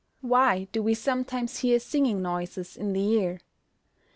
_Why do we sometimes hear singing noises in the ear?